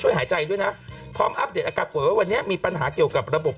ช่วยหายใจด้วยนะพร้อมอัพเดทอากาศวันนี้มีปัญหาเกี่ยวกับระบบ